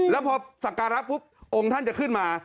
แล้วพอสักการะโอ้งท่านจะขึ้นมา